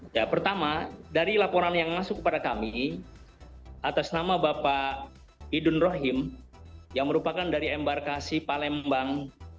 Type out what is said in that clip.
ya pertama dari laporan yang masuk kepada kami atas nama bapak idun rahim yang merupakan dari embarkasi palembang